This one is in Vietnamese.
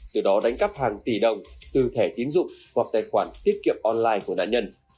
từ đó đánh cắp hàng tỷ đồng từ thẻ tiến dụng hoặc tài khoản tiết kiệm online của nạn nhân